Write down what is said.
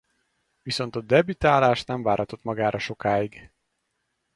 Viszont a debütálás nem váratott magára sokáig.